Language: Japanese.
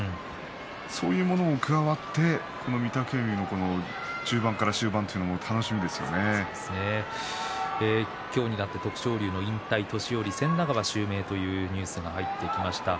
そういうものも加わって御嶽海の今日になって徳勝龍の引退、年寄千田川を襲名というニュースが入ってきました。